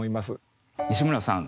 西村さん